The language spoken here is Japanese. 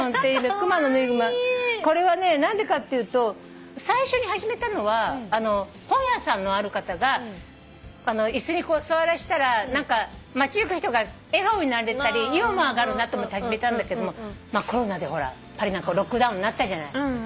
これはね何でかっていうと最初に始めたのは本屋さんのある方が椅子に座らしたら街行く人が笑顔になれたりユーモアがあるなと思って始めたんだけどもコロナでほらパリなんかロックダウンになったじゃない。